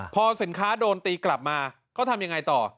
พอสินค้าโดนตีกลับมาเขาทำยังไงต่อ